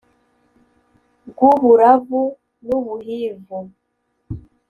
Bw'uburavu n'ubuhivu,